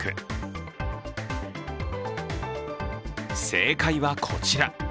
正解はこちら。